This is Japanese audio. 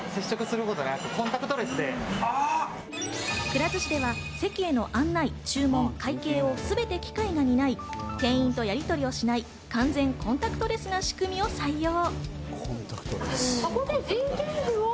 くら寿司では席への案内、注文、会計をすべて機械が担い、店員とやりとりをしない完全コンタクトレスの仕組みを採用。